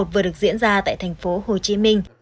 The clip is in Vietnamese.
vừa được diễn ra tại thành phố hồ chí minh